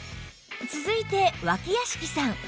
続いて脇屋敷さん